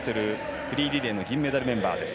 フリーリレーの銀メダルメンバーです。